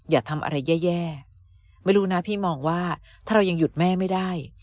อย่าทำอะไรแย่ไม่รู้นะพี่มองว่าถ้าเรายังหยุดแม่ไม่ได้